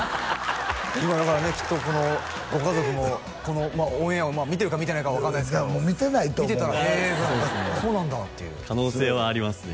今だからねきっとこのご家族もこのオンエアを見てるか見てないか分からないですけど見てないと思う見てたら「へえ」ぐらいの「そうなんだ」っていう可能性はありますね